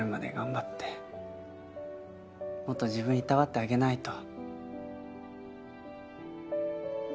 もっと自分をいたわってあげないと。